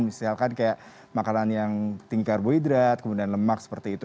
misalkan kayak makanan yang tinggi karbohidrat kemudian lemak seperti itu